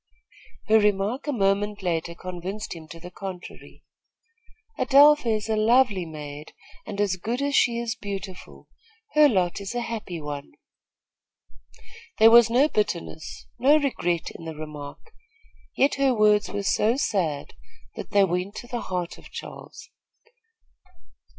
Her remark a moment later convinced him to the contrary. "Adelpha is a lovely maid and as good as she is beautiful. Her lot is a happy one." There was no bitterness, no regret in the remark; yet her words were so sad, that they went to the heart of Charles.